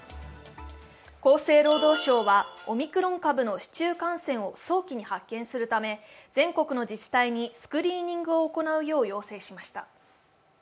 厚労省はオミクロン株の市中感染を早期に発見するため、全国の自治体にスクリーニングを行うよう要請しました。